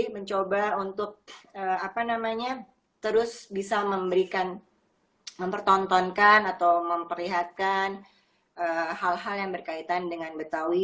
mencoba untuk terus bisa memberikan mempertontonkan atau memperlihatkan hal hal yang berkaitan dengan betawi